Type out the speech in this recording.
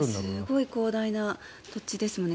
すごい広大な土地ですよね。